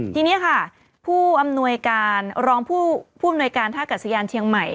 ทีนี้ค่ะรองผู้อำนวยการท่ากัดสยานเชียงใหม่